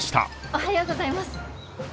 おはようございます。